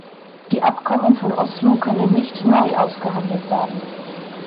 Die Abkommen von Oslo können nicht neu ausgehandelt werden.